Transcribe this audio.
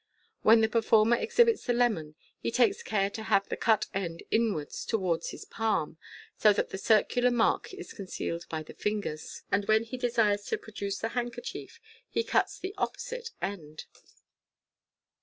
When the performer exhibits the lemon, he takes care to have the cut end inwards towards his palmj so that the circular mark is concealed by the fingers, and when he desires to produce the hard* kerchief he cuts the opposite end.